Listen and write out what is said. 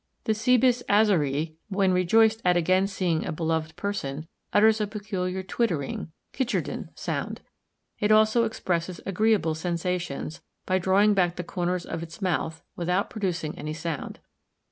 The Cebus azaræ, when rejoiced at again seeing a beloved person, utters a peculiar tittering (kichernden) sound. It also expresses agreeable sensations, by drawing back the corners of its mouth, without producing any sound.